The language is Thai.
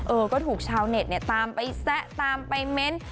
เออก็ถูกชาวเน็ตเนี่ยตามไปแซะตามไปเม้น